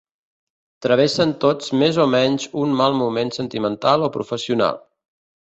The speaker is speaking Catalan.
Travessen tots més o menys un mal moment sentimental o professional.